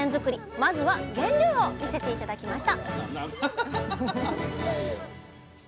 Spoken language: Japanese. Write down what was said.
まずは原料を見せて頂きました